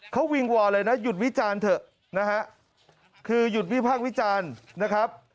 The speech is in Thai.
เขาวิงวอลเลยนะหยุดวิจารณ์เถอะนะฮะคือหยุดวิพากษ์วิจารณ์นะครับ